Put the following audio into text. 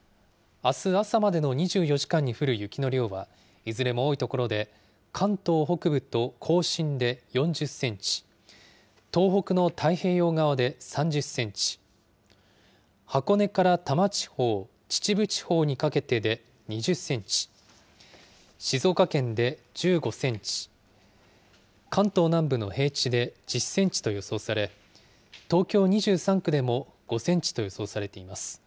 あす朝までの２４時間に降る雪の量は、いずれも多い所で、関東北部と甲信で４０センチ、東北の太平洋側で３０センチ、箱根から多摩地方、秩父地方にかけてで２０センチ、静岡県で１５センチ、関東南部の平地で１０センチと予想され、東京２３区でも５センチと予想されています。